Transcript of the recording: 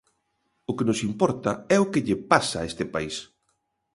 O que nos importa é o que lle pasa a este país.